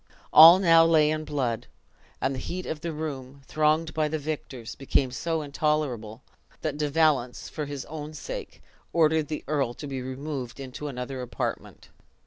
All now lay in blood; and the heat of the room, thronged by the victors, became so intolerable that De Valence, for his own sake, ordered the earl to be removed into another apartment.